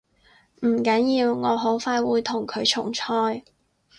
唔緊要，我好快會同佢重賽